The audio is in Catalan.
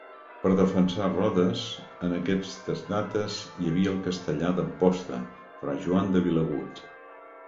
Per defensar Rodes, en aquestes dates hi havia el castellà d'Amposta, fra Joan de Vilagut.